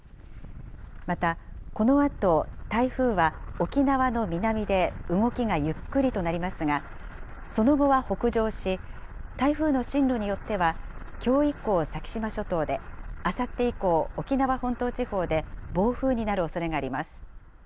またこのあと、台風は沖縄の南で動きがゆっくりとなりますが、その後は北上し、台風の進路によっては、きょう以降、先島諸島で、あさって以降、沖縄本島地方で暴風になるおそれがあります。